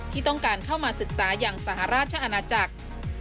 ที่ต้องการเข้ามาศึกษาอย่างสหราชอาณาจักร